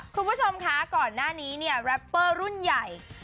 คุณผู้ชมคะก่อนหน้านี้เนี่ยแรปเปอร์รุ่นใหญ่